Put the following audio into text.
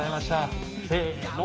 せの。